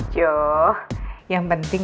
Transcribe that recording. jo yang penting